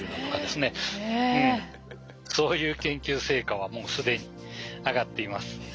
そういう研究成果はもう既に上がっています。